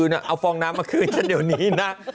เอาฟองน้ำมาคืนซะเดี๋ยวนี้นะ